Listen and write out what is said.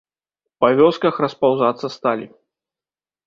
Па вёсках распаўзацца сталі.